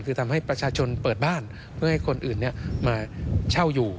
คือทำให้ประชาชนเปิดบ้านเพื่อให้คนอื่นมาเช่าอยู่